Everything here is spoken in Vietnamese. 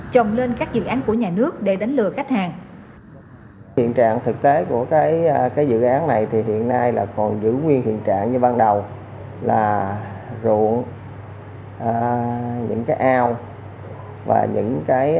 trồng lên các dự án của nhà nước để đánh lừa khách hàng